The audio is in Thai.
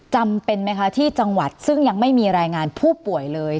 จำเป็นไหมคะที่จังหวัดซึ่งยังไม่มีรายงานผู้ป่วยเลย